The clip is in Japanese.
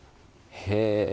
へえ！